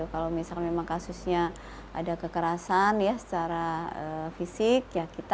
kalau memang kasusnya ada kekerasan secara fisik